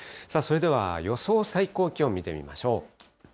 それでは予想最高気温、見てみましょう。